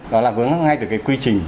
đó là vướng mắt ngay từ cái quy trình